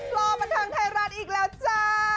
รอบันเทิงไทยรัฐอีกแล้วจ้า